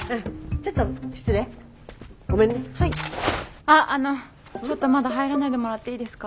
ちょっとまだ入らないでもらっていいですか？